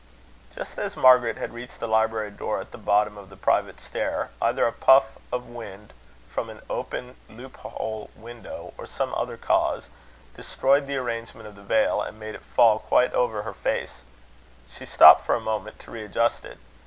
Just as Margaret had reached the library door at the bottom of the private stair, either a puff of wind from an open loophole window, or some other cause, destroyed the arrangement of the veil, and made it fall quite over her face, She stopped for a moment to readjust it.